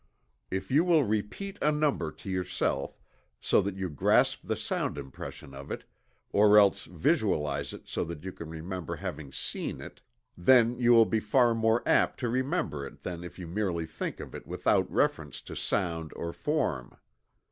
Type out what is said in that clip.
If you will repeat a number to yourself, so that you grasp the sound impression of it, or else visualize it so that you can remember having seen it then you will be far more apt to remember it than if you merely think of it without reference to sound or form.